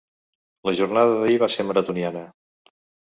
La jornada d’ahir va ser maratoniana.